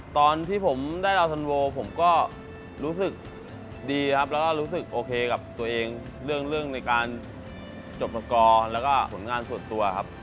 ตอนที่ผมได้ราวทันโวผมก็รู้สึกดีครับแล้วก็รู้สึกโอเคกับตัวเองเรื่องในการจบประกอบแล้วก็ผลงานส่วนตัวครับ